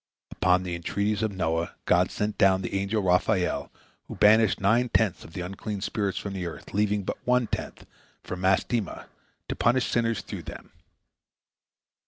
Upon the entreaties of Noah God sent down the angel Raphael, who banished nine tenths of the unclean spirits from the earth, leaving but one tenth for Mastema, to punish sinners through them.